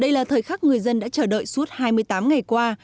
đây là thời khắc người dân đã chờ đợi suốt hai mươi tám ngày qua